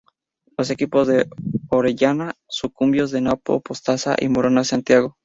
Los equipos de Orellana, Sucumbíos, Napo, Pastaza y Morona Santiago.